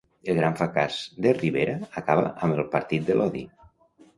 El gran fracàs de Rivera acaba amb el partit de l'odi.